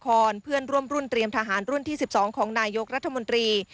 เพื่อนร่วมรุ่นเตรียมทหารรุ่นที่๑๒ของนายกรัฐมนตรี